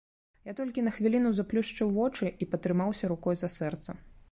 Я толькі на хвіліну заплюшчыў вочы і патрымаўся рукой за сэрца.